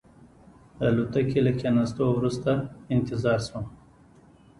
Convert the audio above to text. د الوتکې له کېناستو وروسته انتظار شوم.